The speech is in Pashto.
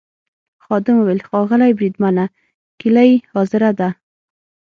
خادم وویل: ښاغلی بریدمنه کیلۍ حاضره ده.